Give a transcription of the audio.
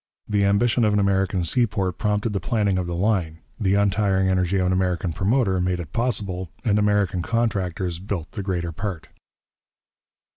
The ambition of an American seaport prompted the planning of the line, the untiring energy of an American promoter made it possible, and American contractors built the greater part.